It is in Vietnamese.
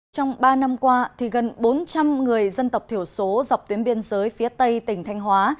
trong ba năm qua gần bốn trăm linh người dân tộc thiểu số dọc tuyến biên giới phía tây tỉnh thanh hóa